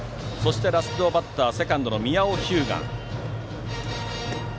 ラストバッターセカンドの宮尾日向です。